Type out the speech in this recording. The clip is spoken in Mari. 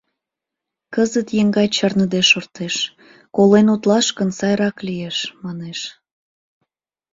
Кызыт еҥгай чарныде шортеш, «колен утлаш гын, сайрак лиеш» манеш.